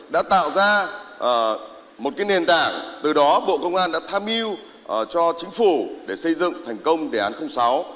đã tạo ra một nền tảng từ đó bộ công an đã tham mưu cho chính phủ để xây dựng thành công đề án sáu